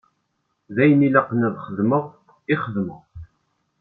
D ayen i ilaqen ad t-xedmeɣ, i xedmeɣ.